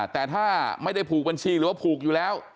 แต่ถ้าไม่ได้ผูกบัญชีหรือว่าผูกอยู่แล้ว